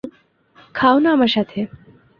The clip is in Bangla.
খাও না আমার সাথে।